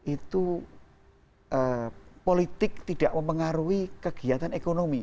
itu politik tidak mempengaruhi kegiatan ekonomi